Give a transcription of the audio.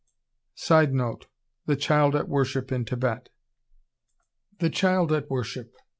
[Sidenote: The Child at Worship in Thibet.] The Child at Worship!